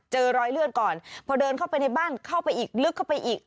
เจอรอยเลือดก่อนพอเดินเข้าไปในบ้านเข้าไปอีกลึกเข้าไปอีก